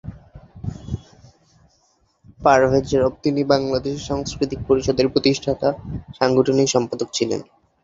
পারভেজ রব তিনি বাংলাদেশ সাংস্কৃতিক পরিষদের প্রতিষ্ঠাতা সাংগঠনিক সম্পাদক ছিলেন।